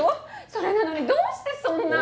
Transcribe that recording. それなのにどうしてそんな。